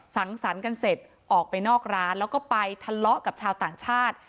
สังสรรค์กันเสร็จออกไปนอกร้านแล้วก็ไปทะเลาะกับชาวต่างชาติ